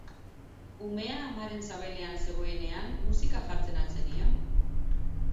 Umea amaren sabelean zegoenean musika jartzen al zenion?